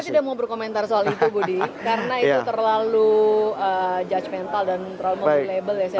saya tidak mau berkomentar soal itu budi karena itu terlalu judgemental dan terlalu meng re label ya